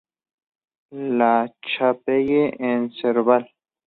La Chapelle-en-Serval